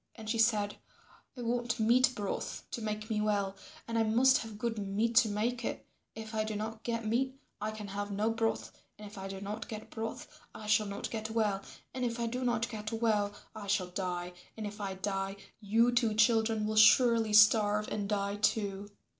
And she said, "I want meat broth to make me well and I must have good meat to make it. If I do not get meat I can have no broth, and if I do not get broth I shall not get well, and if I do not get well I shall die, and if I die you two children will surely starve and die too.